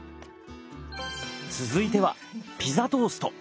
続いてはピザトースト。